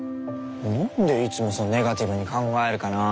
なんでいつもそうネガティブに考えるかな。